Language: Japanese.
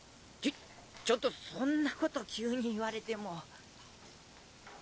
ちょっとそんなこと急に言われても。